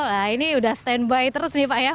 wah ini udah standby terus nih pak ya